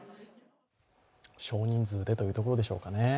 少人数でというところでしょうかね。